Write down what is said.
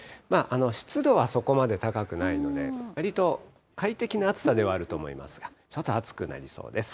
湿度はそこまで高くないので、わりと快適な暑さではあると思いますが、ちょっと暑くなりそうです。